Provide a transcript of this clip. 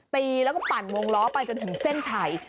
ตีแล้วก็ปั่นวงล้อไปจนถึงเส้นชัย